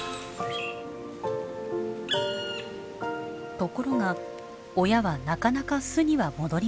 ところが親はなかなか巣には戻りません。